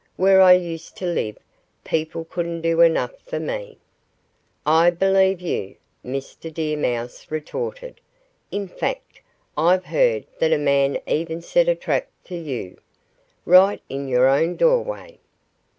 Where I used to live, people couldn't do enough for me." "I believe you," Mr. Deer Mouse retorted. "In fact, I've heard that a man even set a trap for you, right in your own doorway."